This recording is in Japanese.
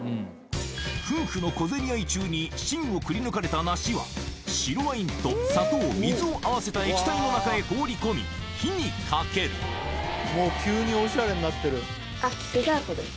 夫婦の小競り合い中に芯をくりぬかれた梨は白ワインと砂糖水を合わせた液体の中へ放り込み火にかけるデザート？